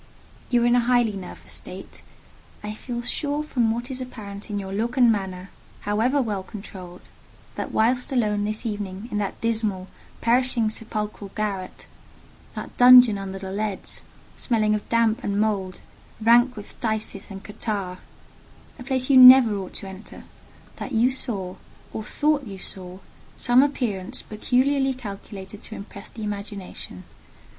You are in a highly nervous state. I feel sure from what is apparent in your look and manner, however well controlled, that whilst alone this evening in that dismal, perishing sepulchral garret—that dungeon under the leads, smelling of damp and mould, rank with phthisis and catarrh: a place you never ought to enter—that you saw, or thought you saw, some appearance peculiarly calculated to impress the imagination.